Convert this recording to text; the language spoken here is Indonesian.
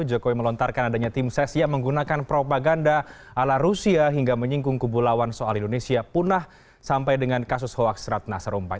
jokowi melontarkan adanya tim sesia menggunakan propaganda ala rusia hingga menyingkung kubu lawan soal indonesia punah sampai dengan kasus hoaksrat nasarumpai